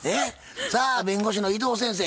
さあ弁護士の伊藤先生